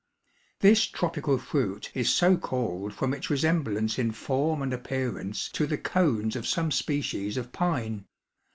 This tropical fruit is so called from its resemblance in form and appearance to the cones of some species of pine.